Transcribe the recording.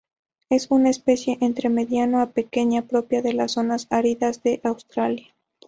Es una especie entre mediano a pequeña propia de las zonas áridas de Australia.